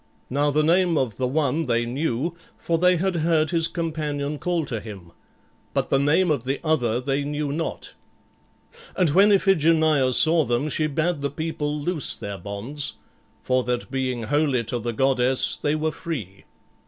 Now the name of the one they knew, for they had heard his companion call to him, but the name of the other they knew not. And when Iphigenia saw them, she bade the people loose their bonds, for that being holy to the goddess they were free.